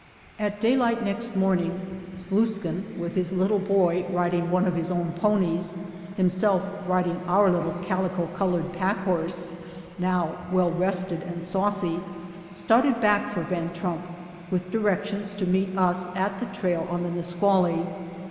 At daylight next morning, Sluiskin, with his little boy riding one of his own ponies, himself riding our little calico colored pack horse, now well rested and saucy, started back for Van Trump, with directions to meet us at the trail on the Nisqually.